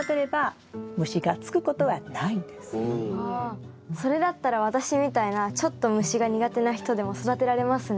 ああそれだったら私みたいなちょっと虫が苦手な人でも育てられますね。